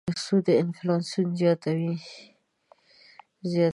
سود انفلاسیون زیاتوي.